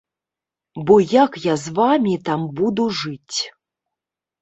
Бо як я з вамі там буду жыць.